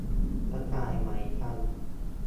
กระต่ายหมายจันทร์